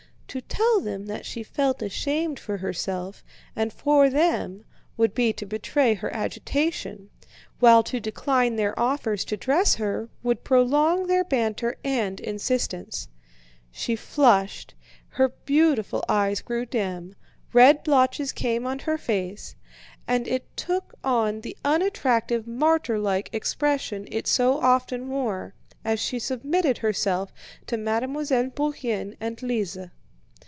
To tell them that she felt ashamed for herself and for them would be to betray her agitation, while to decline their offers to dress her would prolong their banter and insistence. She flushed, her beautiful eyes grew dim, red blotches came on her face, and it took on the unattractive martyrlike expression it so often wore, as she submitted herself to Mademoiselle Bourienne and Lise.